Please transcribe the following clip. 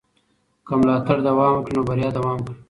که ملاتړ دوام وکړي نو بریا دوام کوي.